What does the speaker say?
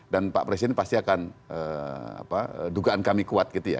dan pak presiden pasti akan dugaan kami kuat gitu ya